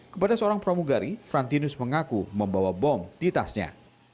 kepada seorang pramugari frantinus mengaku membawa bom di tasnya